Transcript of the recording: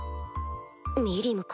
ミリムか。